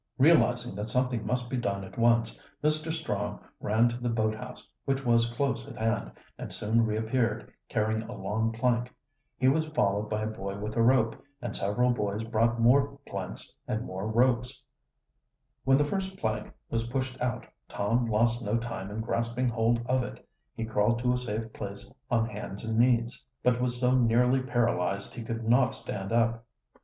Realizing that something must be done at once, Mr. Strong ran to the boathouse, which was close at hand, and soon reappeared, carrying a long plank. He was followed by a boy with a rope, and several boys brought more planks and more ropes. [Illustration: THE MISHAP ON THE ICE. Rover Boys in the Mountains.] When the first plank was pushed out Tom lost no time in grasping hold of it. He crawled to a safe place on hands and knees, but was so nearly paralyzed he could not stand up.